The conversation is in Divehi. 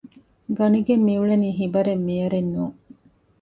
ގަނެގެން މިއުޅެނީ ހިބަރެއް މިޔަރެއް ނޫން